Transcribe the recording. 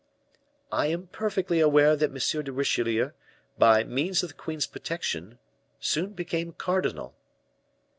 "I am perfectly aware that M. de Richelieu, by means of the queen's protection, soon became cardinal."